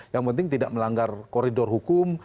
yang penting tidak melanggar koridor hukum